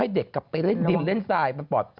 ให้เด็กกลับไปเล่นดินเล่นทรายมันปอด